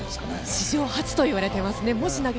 史上初といわれていますね。